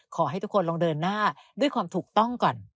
ขอให้ทุกคนลองเดินหน้าด้วยความถูกต้องก่อน